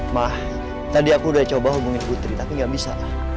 mah tadi aku udah coba hubungin putri tapi gak bisa